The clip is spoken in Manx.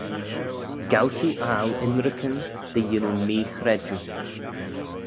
Gow shiu aggle ynrican dy yannoo mee-chredjue.